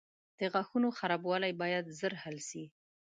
• د غاښونو خرابوالی باید ژر حل شي.